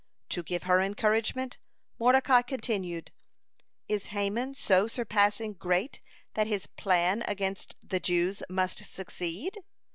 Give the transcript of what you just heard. To give her encouragement, Mordecai continued: "Is Haman so surpassing great that his plan against the Jews must succeed?